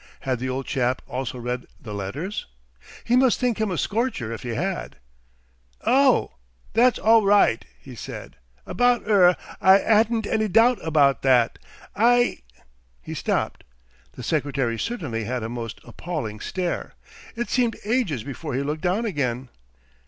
Had the old chap also read the letters? He must think him a scorcher if he had. "Oh! that's aw right," he said, "about 'er. I 'adn't any doubts about that. I " He stopped. The secretary certainly had a most appalling stare. It seemed ages before he looked down again.